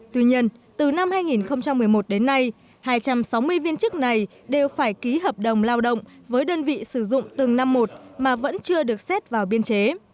tuy nhiên từ năm hai nghìn một mươi một đến nay hai trăm sáu mươi viên chức này đều phải ký hợp đồng lao động với đơn vị sử dụng từng năm một mà vẫn chưa được xét vào biên chế